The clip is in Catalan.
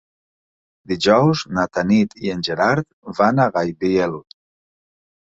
Dijous na Tanit i en Gerard van a Gaibiel.